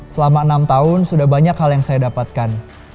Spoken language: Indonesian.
selama enam tahun sudah banyak hal yang saya dapatkan